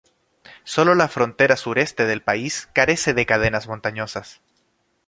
Sólo la frontera sureste del país carece de cadenas montañosas.